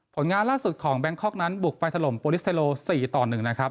ผลงานล่าสุดของแบงค์คอล์กนั้นบุกไปถล่มสี่ต่อหนึ่งนะครับ